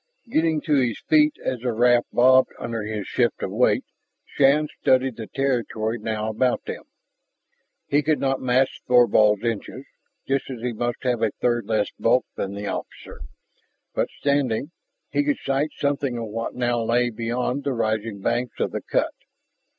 Getting to his feet as the raft bobbed under his shift of weight, Shann studied the territory now about them. He could not match Thorvald's inches, just as he must have a third less bulk than the officer, but standing, he could sight something of what now lay beyond the rising banks of the cut.